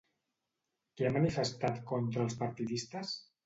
Què ha manifestat contra els partidistes?